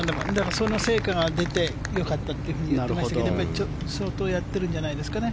その成果が出てよかったって言っていましたけど相当やってるんじゃないですかね